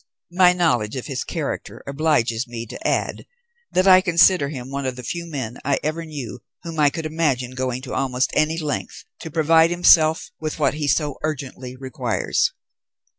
My knowledge of his character obliges me to add that I consider him one of the few men I ever knew whom I could imagine going to almost any length to provide himself with what he so urgently requires.